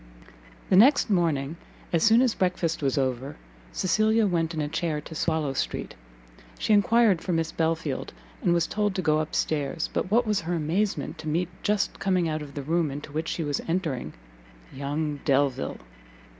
The next morning, as soon as breakfast was over, Cecilia went in a chair to Swallow street; she enquired for Miss Belfield, and was told to go up stairs: but what was her amazement to meet, just coming out of the room into which she was entering, young Delvile!